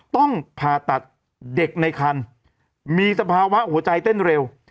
ต้องผ่าตัดเด็กในคันมีสภาวะหัวใจเต้นเร็ว